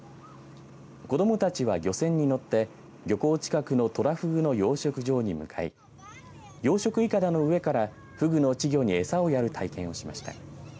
子どもたちは、漁船に乗って漁港近くのトラフグの養殖場に向かい養殖いかだの上からフグの稚魚に餌をやる体験をしました。